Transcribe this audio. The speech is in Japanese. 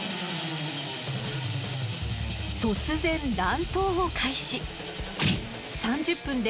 突然乱闘を開始。